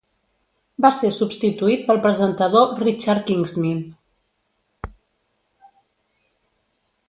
Va ser substituït pel presentador Richard Kingsmill.